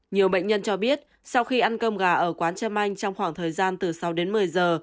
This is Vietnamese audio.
nhiều bệnh nhân cho biết sau khi ăn cơm gà ở quán trâm anh trong khoảng thời gian từ sáu đến một mươi giờ